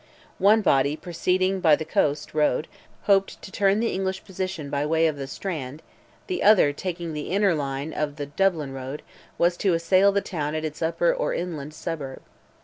One body proceeding by the coast road hoped to turn the English position by way of the strand, the other taking the inner line of the Dublin road, was to assail the town at its upper or inland suburb.